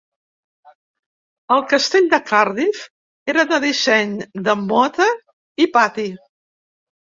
El castell de Cardiff era de disseny de mota i pati.